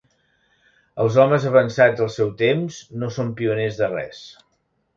Els homes avançats al seu temps no són pioners de res.